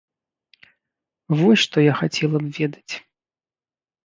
Вось што я хацела б ведаць.